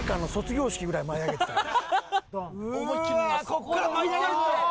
ここから舞い上がる。